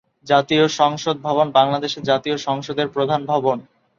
জাতীয় সংসদ ভবন বাংলাদেশের জাতীয় সংসদের প্রধান ভবন।